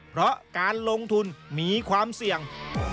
เพราะการลงทุนมีความเสี่ยง